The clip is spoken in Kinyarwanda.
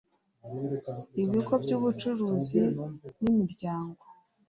ibigo by’ubucuruzi n’imiryango